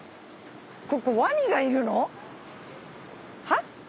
ここワニがいるの？は？